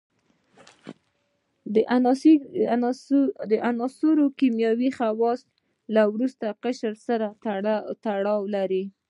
د عنصرونو کیمیاوي خواص له وروستي قشر سره تړاو لري.